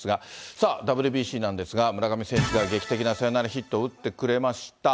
さあ、ＷＢＣなんですが、村上選手が劇的なサヨナラヒットを打ってくれました。